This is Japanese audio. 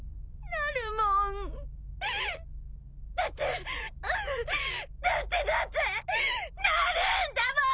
なるんだもん！